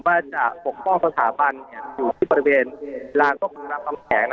ว่าจะปกป้องสถาบันอยู่ที่บริเวณลานก็คือรามคำแหง